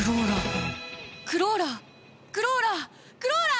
クローラークローラークローラー！